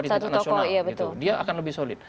di tingkat nasional dia akan lebih solid